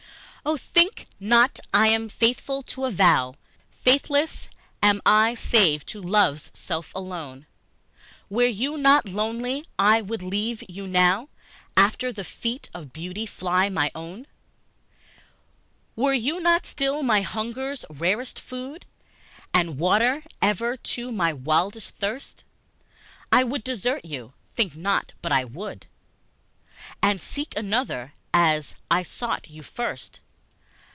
OH, THINK not I am faithful to a vow! Faithless am I save to love's self alone. Were you not lovely I would leave you now: After the feet of beauty fly my own. Were you not still my hunger's rarest food, And water ever to my wildest thirst, I would desert you think not but I would! And seek another as I sought you first.